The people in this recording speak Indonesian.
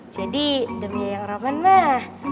jadi demi yang roman mah